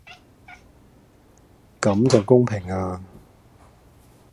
咁就公平呀